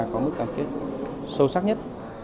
có mức cam kết sâu sắc nhất